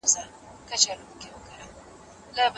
د ښوونکو لپاره د کلنیو رخصتیو منظم پلان نه و.